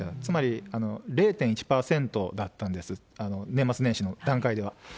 つまり、０．１％だったんです、年末年始の段階では。